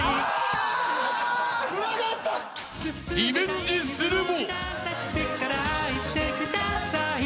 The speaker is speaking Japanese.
［リベンジするも］